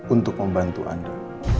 untuk membantu anda